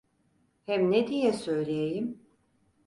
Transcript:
Hem ne diye söyleyeyim?